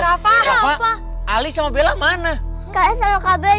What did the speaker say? berapa berapa ali sama bella mana kaya sama kabel